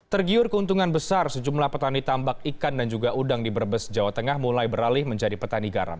tergiur keuntungan besar sejumlah petani tambak ikan dan juga udang di brebes jawa tengah mulai beralih menjadi petani garam